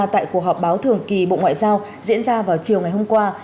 tại cuộc họp báo thường kỳ bộ ngoại giao diễn ra vào chiều ngày hôm qua